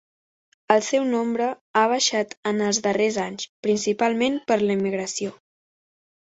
El seu nombre ha baixat en els darrers anys, principalment per l'emigració.